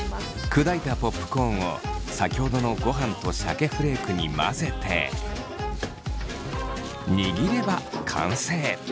砕いたポップコーンを先ほどのごはんとシャケフレークに混ぜてにぎれば完成。